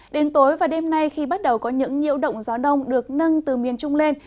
đến tối và đêm nay khi bắt đầu có những nhiễu động gió đông được nâng từ miền trung lên